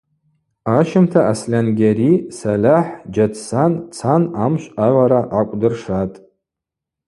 Ащымта Асльангьари, Сальахӏ, Джьатсан цан амшв агӏвара гӏакӏвдыршатӏ.